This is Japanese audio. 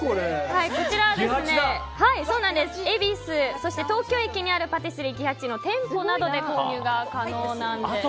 こちらは恵比寿そして東京駅にあるパティスリーキハチの店舗などで購入が可能なんです。